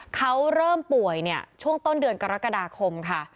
เขาเริ่มป่วยช่วงต้นเดือนกรกฎาคมค่ะ